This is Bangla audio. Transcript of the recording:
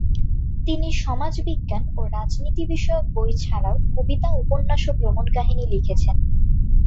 তিনি সমাজবিজ্ঞান ও রাজনীতি বিষয়ক বই ছাড়াও কবিতা, উপন্যাস ও ভ্রমণ কাহিনী লিখেছেন।